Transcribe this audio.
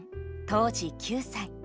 当時９歳。